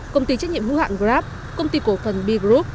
công ty trách nhiệm hữu hạng grab công ty cổ phần b group